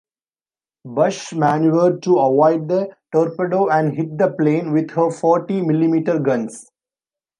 Bush maneuvered to avoid the torpedo and hit the plane with her forty-millimeter guns.